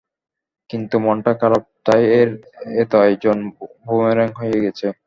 কিন্তু মনটাই খারাপ, তার এত আয়োজন বুমেরাং হয়ে গেছে।